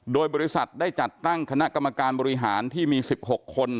โดยบริษัทได้จัดตั้งคณะกรรมการบริหารที่มี๑๖คน